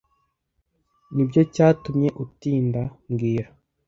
Nibyo cyatumye utinda mbwira